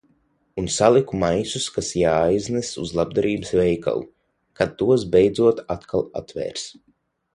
Un saliku maisus kas jāaiznes uz labdarības veikalu. Kad tos beidzot atkal atvērs.